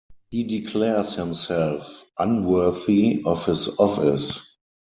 He declares himself unworthy of his office.